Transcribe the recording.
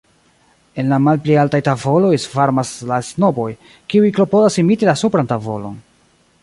En la malpli altaj tavoloj svarmas la snoboj, kiuj klopodas imiti la supran tavolon.